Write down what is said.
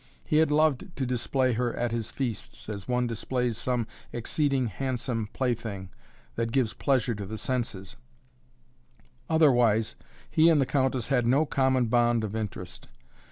He had loved to display her at his feasts as one displays some exceeding handsome plaything that gives pleasure to the senses; otherwise he and the countess had no common bond of interest.